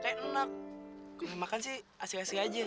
kamu yang makan sih asil asil aja